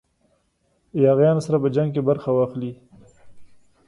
یاغیانو سره په جنګ کې برخه واخلي.